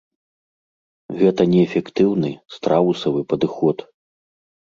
Гэта неэфектыўны, страусавы падыход.